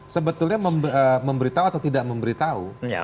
sebetulnya memberitahu atau tidak memberitahu